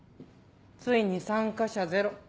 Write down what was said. ついに参加者ゼロ。